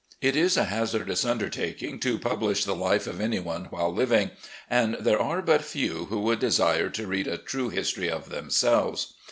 It is a hazardous undertaking to publish the life of any one while living, and there are but few who would desire to read a true history of themselves.